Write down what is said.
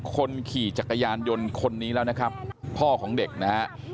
คนขี่จักรยานยนต์คนนี้แล้วนะครับพ่อของเด็กนะฮะ